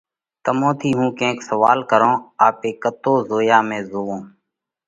تمون ٿِي هُون ڪينڪ سوئال ڪرونه: آپي ڪتو زويا ۾ زوئونه؟